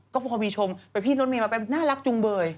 ก็พอมีชมไปพี่รถเมย์มาเป็นน่ารักจุงเบย